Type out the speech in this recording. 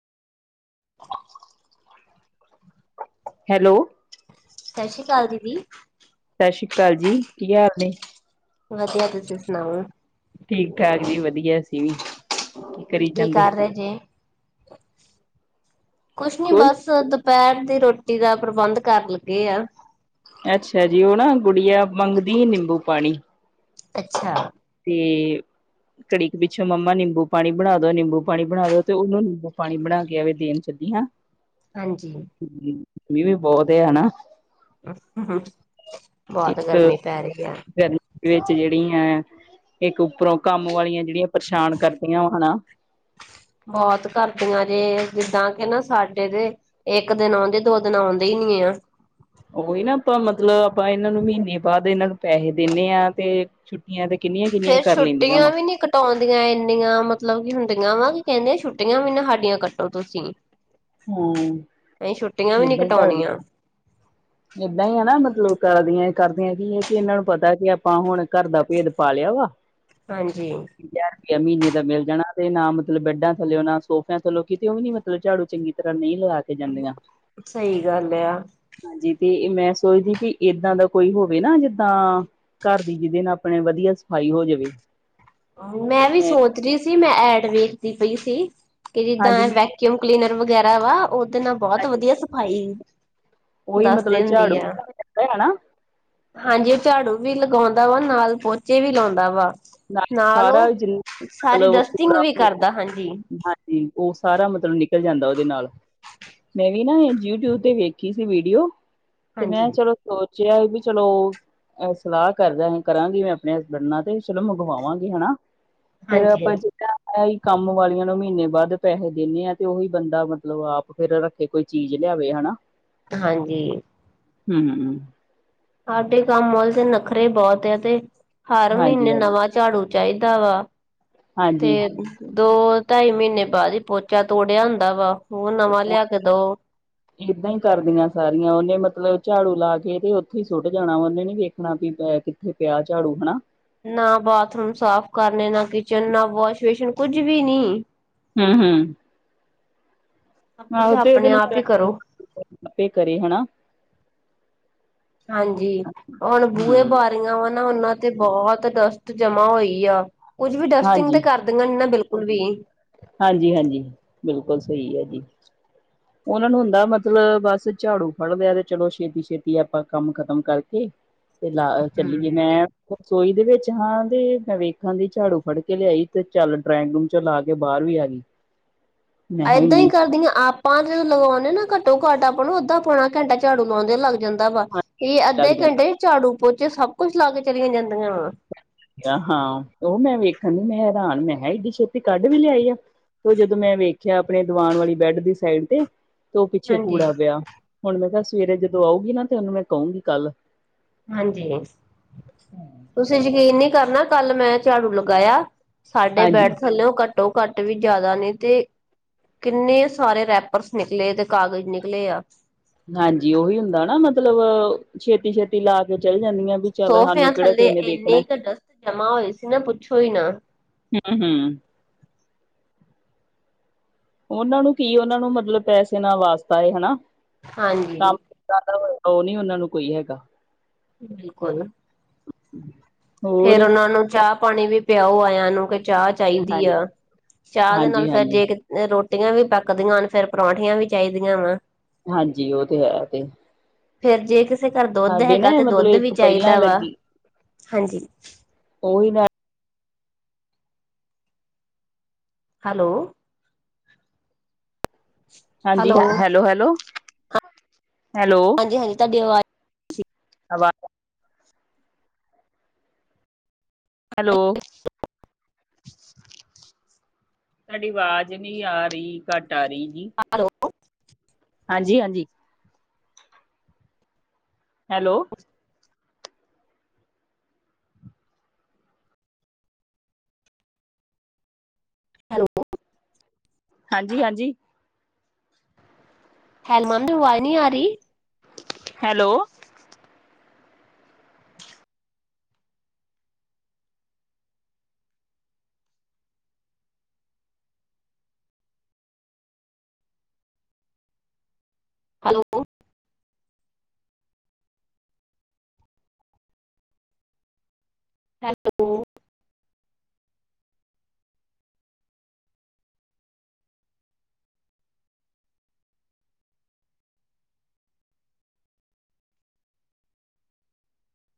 Hello ਸਤਿ ਸ੍ਰੀ ਅਕਾਲ ਦੀਦੀ ਸਤਿ ਸ਼੍ਰੀ ਅਕਾਲ ਜੀ ਕੀ ਹਾਲ ਨੇ ਵਧੀਆ ਤੁਸੀਂ ਸੁਣਾਓ ਠੀਕ ਠਾਕ ਜੀ ਵਧੀਆ ਅਸੀਂ ਵੀ ਕਰੀ ਕੀ ਜਾਂਦੇ ਕਰ ਰਹੇ ਜੇ ਕੁਛ ਨੀ ਕੋਲ ਬਸ ਦੁਪਹਿਰ ਦੀ ਰੋਟੀ ਦਾ ਪ੍ਰਬੰਧ ਕਰਨ ਲੱਗੇ ਆ ਅੱਛਾ ਜੀ ਉਹ ਨਾ ਗੁੜੀਆ ਮੰਗਦੀ ਨਿੰਬੂ ਪਾਣੀ ਅੱਛਾ ਤੇ ਕੜੀਕ ਪਿੱਛੋਂ ਮੰਮਾ ਨਿੰਬੂ ਪਾਣੀ ਬਣਾ ਦੋ-ਨਿੰਬੂ ਪਾਣੀ ਬਣਾ ਦੋ ਤੇ ਉਹਨੂੰ ਨਿੰਬੂ ਪਾਣੀ ਬਣਾ ਕੇ ਆਵੇ ਦੇਣ ਚੱਲੀ ਹਾਂ ਹਾਂਜੀ ਮੀਹ ਵੀ ਬਹੁਤ ਅਨਾ ਬਹੁਤ ਇੱਕ ਗਰਮੀ ਪੈ ਰਹੀ ਹੈ। ਵਿੱਚ ਜਿਹੜੀ ਹੈ। ਇੱਕ ਉੱਪਰੋਂ ਕੰਮ ਵਾਲੀਆਂ ਜਿਹੜੀਆਂ ਪਰਸ਼ਾਨ ਕਰਦੀਆਂ ੳ ਹਨਾ ਬਹੁਤ ਕਰਦੀਆਂ ਜੇ ਜਿੱਦਾਂ ਕੇ ਨਾ ਸਾਡੇ ਜੇ ਇੱਕ ਦਿਨ ਆਉਂਦੇ ਦੋ ਦਿਨ ਆਉਂਦੇ ਹੀ ਨੀ ਏ। ਉਹੀ ਨਾ ਆਪਾਂ ਮਤਲਬ ਆਪਾਂ ਇਹਨਾਂ ਨੂੰ ਮਹੀਨੇ ਬਾਅਦ ਇਹਨਾਂ ਨੂੰ ਪੈਹੇ ਦੇਨੇ ਆ ਤੇ ਛੁੱਟ ਤੇ ਕਿੰਨੀਆਂ -ਕਿੰਨੀਆਂ ਕਰ ਲੈਂਦੀਆਂ ਵਾ। ਟੋਂਉਂਦੀਆਂ ਇੰਨੀਆਂ ਮਤਲਬ ਕੀ ਹੁੰਦੀਆਂ ਵਾ ਕਿ ਕਹਿੰਦੇ ਛੁੱਟੀਆਂ ਵੀ ਨਾ ਹਾਡੀਆਂ ਕੱਟੋ ਤੁਸੀ। ਹਾਂ ਏਹ ਛੁੱਟੀਆਂ ਵੀ ਨੀ ਏਦਾਂ ਹੀ ਕਰਦੀ ਕਟਾਉਣੀਆਂ ਏਦਾਂ ਹੀ ਆ ਨਾ ਮਤਲਬ ਕਰਦੀਆਂ ਕਰਦੀਆਂ ਕੀ ਹੈ ਕਿ ਇਹਨਾਂ ਨੂੰ ਪਤਾ ਕਿ ਆਪਾਂ ਹੁਣ ਘਰ ਦਾ ਭੇਦ ਪਾ ਲਿਆ ਵਾ। ਹਾਂਜੀ। ਹਜਾਰ ਰੁਪਇਆ ਮਹੀਨੇ ਦਾ ਮਿਲ ਜਾਣਾ ਤੇ ਨਾ ਮਤਲਬ ਬੈਡਾਂ ਥੱਲੇਓ ਨਾ ਸੋਫਿਆਂ ਥੱਲੇਓ ਕਿਤੇ ਉਹ ਵੀ ਨੀ। ਝਾੜੂ ਚੰਗੀ ਤਰ੍ਹਾਂ ਨਹੀਂ ਲਗਾ ਕੇ ਜਾਂਦੀਆਂ। ਸਹੀ ਗੱਲ ਆ। ਜੀ ਤੇ ਮੈਂ ਸੋਚਦੀ ਕਿ ਏਦਾਂ ਦਾ ਕੋਈ ਹੋਵੇ ਨਾ ਜਿੱਦਾਂ। ਘਰ ਦੀ ਜਿਹਦੇ ਨਾਲ ਆਪਣੇ ਵਧੀਆ ਸਫ਼ਾਈ ਹੋ ਜਵੇ। ਮੈਂ ਵੀ ਸੋਚ ਰਹੀ ਸੀ ਮੈਂ ਐਡ ਵੇਖਦੀ ਪਈ ਸੀ ਕਿ ਹਾਂਜੀ ਜਿੱਦਾਂ ਮੈਂ ਵੈਕ ਕਿਊਮ ਕਲੀਨਰ ਵਗੈਰਾ ਵਾ ਉਹਦੇ ਨਾਲ ਬਹੁਤ ਹਾਂਜੀ ਵਧੀਆ ਸਫਾਈ। ਉਹੀ ਦੱਸ ਮਤਲਬ ਦਿਨ ਦੀ ਝਾੜੂ ਆ। ਹਨਾ ਹਾਂਜੀ ਉਹ ਝਾੜੂ ਵੀ ਲਗਾਉਂਦਾ ਵਾ ਨਾਲ ਪੋਚੇ ਵੀ ਲੌਂਦਾ ਵਾ। ਨਾਲ ਸਾਰਾ ਸਾਰੀ ਜਿੰਨਾ ਡਸਟਿੰਗ ਕੂੜਾ ਵੀ ਕਰਦਾ ਹਾਂਜੀ ਹਾਂ। ਜੀ ਉਹ ਸਾਰਾ ਮਤਲਬ ਨਿਕਲ ਜਾਂਦਾ ਉਹਦੇ ਨਾਲ। ਮੈਂ ਵੀ ਨਾ ਇਹ ਯੂਟਿਊਬ ਤੇ ਵੇਖੀ ਸੀ ਵੀਡੀਓ ਤੇ ਮੈਂ ਹਾਂਜੀ। ਚਲੋ। ਸੋਚਿਆ ਸੀ ਵੀ ਚਲੋ ਸਲਾਹ ਕਰਾ ਕਰਾਂਗੀ ਮੈਂ ਆਪਣੇ ਹਸਬੈਡ ਨਾ ਤੇ। ਚਲੋ ਮੰਗਵਾਵਾਂਗੇ ਹਨਾ ਫੇਰ ਹਾਂਜੀ ਹਾਂਜੀ ਆਪਾਂ ਜਿਦਾ। ਅਹੀ ਕੰਮ ਵਾਲੀਆਂ ਨੂੰ ਮਹੀਨੇ ਬਾਅਦ ਪੈਹੇ ਦਿੰਨੇ ਆ ਤੇ ਉਹੀ ਬੰਦਾ ਮਤਲਬ ਆਪ ਫਿਰ ਰੱਖ। ਜੇ ਕੋਈ ਚੀਜ਼ ਲਿਆਵੇ ਹੈਨਾ। ਹਾਂਜੀ। ਹੁੰ ਸਾਡੇ ਕੰਮਵਾਲੀ ਦੇ ਤੇ ਨਖਰੇ ਹੀ ਬਹੁਤ ਆ ਤੇ ਹਰ ਹਾਂਜੀ-ਹਾਂਜੀ, ਮਹੀਨੇ ਹਾਂਜੀ। ਨਵਾਂ। ਝਾੜੂ ਚਾਹੀਦਾ ਵਾ ਤੇ। ਹਾਂਜੀ ਦੋ ਢਾਈ ਮਹੀਨੇ ਬਾਅਦ ਹੀ ਪੋਚਾ ਤੋੜਿਆ ਹੁੰਦਾ ਵਾ ਉਹ ਨਵਾਂ ਉਹ ਲਿਆ ਕੇ ਦੋਉ। [inaudible] ਏਦਾਂ ਹੀ ਕਰਦੀਆਂ ਸਾਰੀਆਂ ਉਹਨੇ ਮਤਲਬ ਝਾੜੂ ਲਾ ਕੇ ਤੇ ਉੱਥੇ ਹੀ ਸੁੱਟ ਜਾਣਾ ਉਹਨੇ ਨੀ ਵੇਖਣਾ ਵੀ ਪੈਰ। ਕਿਥੇ ਪਿਆ ਝਾੜੂ ਹਨਾ। ਨਾ ਬਾਥਰੂਮ ਸਾਫ ਕਰਨੇ ਨਾ ਕਿਚਨ, ਨਾ ਵਾਸ਼ ਵੇਸ਼ਨ ਕੁੱਝ ਵੀ ਨੀ। ਹੁੰ, ਹੁੰ ਸਭ ਕੁੱਝ ਆਹੋ ਤੇ ਉਦੇ ਆਪਣੇ ਨ ਆਪ ਹੀ ਕਰੋ ਆਪੇ ਕਰੇ ਹੈਣਾ। ਹਾਂਜੀ, ਹੁਣ ਬੂਹੇ ਬਾਰ। ਵਾ ਨਾ ਉਹਨਾਂ ਤੇ ਬਹੁਤ ਡਸਟ ਜਮਾ ਹੋਈ ਆ। ਕੁੱਝ ਵੀ ਡਸਟਿੰਗ ਤੇ ਹਾਂਜੀ, ਕਰ। ਚੰਗਾ ਨਹੀਂ ਨਾ ਬਿਲਕੁਲ ਵੀ। ਹਾਂਜੀ, ਹਾਂਜੀ ਬਿਲਕੁਲ ਸਹੀ ਹੈ ਜੀ। [inaudible] ਉਹਨਾ ਨੂੰ ਹੁੰਦਾ ਮਤਲਬ ਬਸ ਝਾੜੂ ਫੜ ਲਿਆ ਤੇ ਚਲੋ ਛੇਤੀ -ਛੇਤੀ ਆਪਾਂ ਕੰਮ ਖਤਮ ਕਰਕੇ। ਤੇ ਲਾ ਚੱਲੀਏ ਮੈਂ ਰਸੋਈ ਦੇ ਵਿੱਚ ਹਾਂ ਤੇ ਮੈਂ ਵੇਖਾਂ ਦੀ ਝਾੜੂ ਫੜ ਕੇ ਲਿਆਈ ਤੇ ਚੱਲ ਡਰਾਇੰਗ ਰੂਮ ਚੋਂ ਲਾ ਕੇ। ਤੇ ਬਾਹਰ ਵੀ ਆ ਗਈ। ਮੈਂ ਕਿਹਾ ਏਦਾਂ ਹੀ ਇੰਨੀ ਕਰਦੀਆਂ ਆਪਾਂ ਜੋਂ ਲਗਾਉਦੇ ਨਾ ਘੱਟੋ- ਘੱਟ ਆਪਾਂ ਨੂੰ ਅੱਦਾ- ਪਉਣਾ ਘੰਟਾ ਝਾੜੂ ਲਉਂਦੇ ਲੱਗਦਾ। ਜਾਂਦਾ ਵਾ ਇਹ ਲੱਗ ਅੱਧੇ ਘੰਟੇ ਜਾਂਦਾ ਝਾੜੂ ਪੋਚੇ ਸਭ ਕੁੱਛ ਲਾ ਕੇ ਚਲੀਆਂ ਜਾਂਦੀਆਂ ਵਾ। ਹਾਂ ਉਹ ਮੈਂ ਵੇਖਣ ਦੀ ਮੈਂ ਹੈਰਾਨ ਮੈਂ ਕਿਹਾ ਏਡੀ ਛੇਤੀ ਕੱਢ ਵੀ ਲਿਆਈ ਆ। ਤੇ ਜਦੋਂ ਮੈਂ ਵੇਖਿਆ ਆਪਣੇ ਦਿਵਾਨ ਵਾਲੀ ਬੈਡ ਦੀ ਸਾਈਡ ਤੇ। ਤੇ ਉਹ ਪਿੱਛੇ ਹਾਂਜੀ ਕੂੜਾ ਪਿਆ। ਹੁਣ ਮੈਂ ਕਿਹਾ ਸਵੇਰੇ ਜਦੋਂ ਆਊਗੀ ਨਾ ਤੇ ਉਹਨੂੰ ਮੈਂ ਕਹੂੰਗੀ ਕੱਲ। ਹਾਂਜੀ। ਤੁਸੀਂ ਯਕੀਨ ਨਹੀਂ ਕਰਨਾ ਕੱਲ ਮੈਂ ਝਾੜੂ ਲਗਾਇਆ। ਸਾਡੇ ਹਾਂਜੀ ਬੈਠ ਥੱਲੇਉ ਘੱਟੋ ਘੱਟ ਵੀ ਜ਼ਿਆਦਾ ਨੇ ਤੇ। ਕਿੰਨੇ ਸਾਰੇ ਰੈਪਰਸ ਨਿਕਲੇ ਤੇ ਕਾਗਜ਼ ਨਿਕਲੇ ਆ। ਹਾਂਜੀ, ਉਹੀ ਹੁੰਦਾ ਨਾ ਮਤਲਬ ਛੇਤੀ ਛੇਤੀ। ਲਾ ਕੇ ਚਲੇ ਜਾਂਦੀਆਂ ਵੀ ਚੱਲ ਸੋਫਿਆਂ ਸਾਨੂੰ ਕਿਹੜਾ ਥੱਲੇ ਕਿਸੇ ਨੇ ਇੰਨੀ ਵੇਖਣਾ। ਕੁ ਡਸਟ ਜਮਾ ਹੋਈ ਸੀ ਨਾ ਪੁੱਛੋ ਹੀ ਨਾ ਹੂੰ, ਹੂੰ। ਉਹਨਾਂ ਨੂੰ ਕੀ ਉਹਨਾਂ ਨੂੰ ਮਤਲਬ ਪੈਸੇ ਨਾਲ ਵਾਸਤਾ ਹੈ। ਹਨਾ। ਹਾਂਜੀ। ਜਿਆਦਾ ਉਹ ਨੀ ਉਹਨਾਂ ਨੂੰ ਕੋਈ ਹੈਗਾ। ਬਿਲਕੁਲ। ਹੋਰ ਫਿਰ ਉਹਨਾਂ ਨੂੰ ਚਾਹ ਪਾਣੀ ਵੀ ਪਿਆਓ ਆਇਆ ਨੂੰ। ਚਾਹ ਚਾਹੀਦੀ ਹਾਂਜੀ ਆ। ਚਾਹ ਦੇ ਨਾਲ ਹਾਂਜੀ ਫਿਰ ਹਾਂਜੀ ਜੇ ਰੋਟੀਆਂ ਵੀ ਪੱਕਦੀਆਂ ਹਨ ਫਿਰ ਪਰੌਂਠੀਆਂ ਵੀ ਚਾਹੀਦੀਆਂ ਵਾ। ਹਾਂਜੀ, ਉਹ ਤੇ ਹੈ ਤੇ ਫਿਰ ਜੇ ਕਿਸੇ ਘਰ ਦੁੱਧ ਸਾਡੇ ਨਾ ਹੈਗਾ ਤੇ ਮਤਲਬ ਦੁੱਧ ਵੀ ਇੱਕ ਪਹਿਲਾਂ ਚਾਹੀਦਾ ਵਾ ਲੱਗੀ ਹਾਂਜੀ। ਉਹੀ ਨਾ। ਹੈਲੋ ਹਾਂਜੀ ਹੈਲੋ, ਹੈਲੋ, ਹੈਲੋ ਹਾਂਜੀ ਤੁਹਾਡੀ ਆਵਾਜ਼ ਅਵਾ ਹੈਲੋ। ਤੁਹਾਡੀ ਆਵਾਜ਼ ਨਹੀਂ ਆ ਰਹੀ ਘੱਟ ਆ ਰਹੀ ਜੀ। ਹੈਲੋ। ਹਾਂਜੀ, ਹਾਂਜੀ। ਹੈਲੋ। ਹੈਲੋ। ਹਾਂਜੀ, ਹਾਂਜੀ। ਹੈਲ ਮੰਦ ਆਵਾਜ਼ ਨਹੀਂ ਆ ਰਹੀ। ਹੈਲੋ। ਹੈਲੋ। ਹੈਲੋ।